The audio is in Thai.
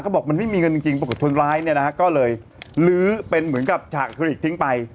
บอกมันไม่มีเงินจริงปรากฏคนร้ายเนี่ยนะฮะก็เลยลื้อเป็นเหมือนกับฉากเคลิกทิ้งไป